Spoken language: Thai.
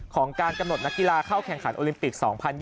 ของการกำหนดนักกีฬาเข้าแข่งขันโอลิมปิก๒๐๒๐